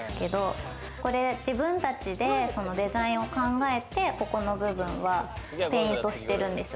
これ自分たちでデザインを考えて、ここの部分はペイントしてるんですよ。